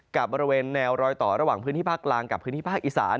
กับบริเวณแนวรอยต่อระหว่างพื้นที่ภาคกลางกับพื้นที่ภาคอีสาน